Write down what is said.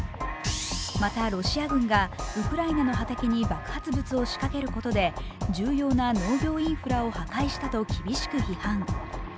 またロシア軍がウクライナの畑に爆発物を仕掛けることで重要な農業インフラを破壊したと厳しく批判。